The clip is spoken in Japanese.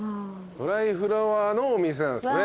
ドライフラワーのお店なんですね。